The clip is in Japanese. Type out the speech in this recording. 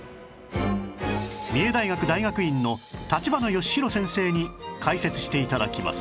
三重大学大学院の立花義裕先生に解説して頂きます